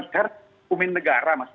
karena umum negara mas